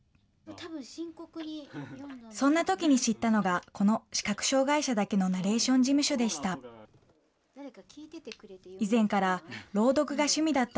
そんなときに知ったのが、この視覚障害者だけのナレーション事務所でした。